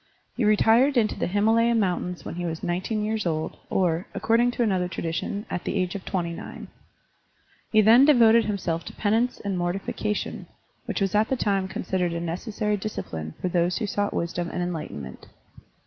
He retired into the Himalaya Mountains when he was nineteen years old, or, according to another tradition, at the age of twenty nine. He then devoted himself to penance and mortification, which was at the time considered a necessary discipline for those who sought wisdom and enlightenment.